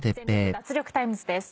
脱力タイムズ』です。